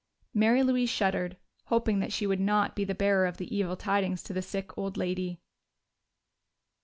Mary Louise shuddered, hoping that she would not be the bearer of the evil tidings to the sick old lady.